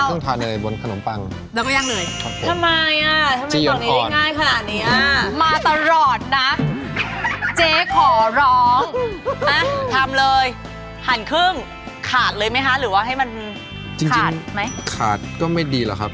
หรือว่าให้มันขาดไหมจริงขาดก็ไม่ดีหรอครับ